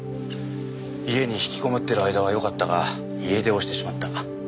家に引きこもっている間はよかったが家出をしてしまった。